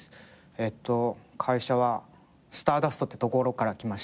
えっと会社はスターダストって所から来ました。